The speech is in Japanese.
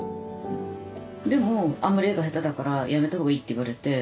でもあんまり絵が下手だからやめたほうがいいって言われて。